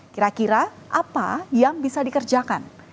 kira kira apa yang bisa dikerjakan